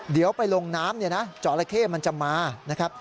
เดี๋ยวไปลงน้ำเจาะละเข้มันจะมา